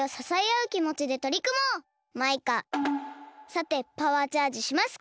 さてパワーチャージしますか！